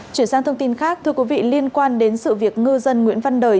chuyển sang thông tin khác thưa quý vị liên quan đến sự việc ngư dân nguyễn văn đời